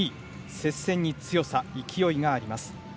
接戦に強さ、勢いがあります。